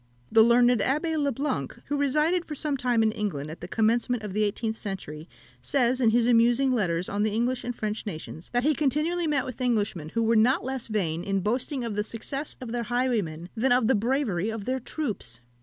The learned Abbé le Blanc, who resided for some time in England at the commencement of the eighteenth century, says, in his amusing letters on the English and French nations, that he continually met with Englishmen who were not less vain in boasting of the success of their highwaymen than of the bravery of their troops.